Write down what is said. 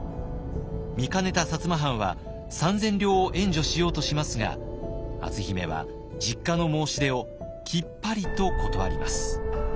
見かねた薩摩藩は三千両を援助しようとしますが篤姫は実家の申し出をきっぱりと断ります。